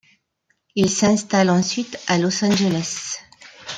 Il s'installe ensuite à Los Angeles.